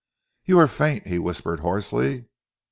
"You are faint?" he whispered hoarsely.